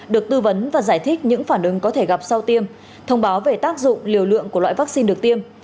được tư vấn và giải thích những phản ứng có thể gặp sau tiêm thông báo về tác dụng liều lượng của loại vaccine được tiêm